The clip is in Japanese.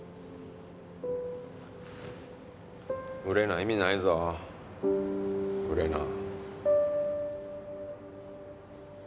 売れな意味ないぞ売れな。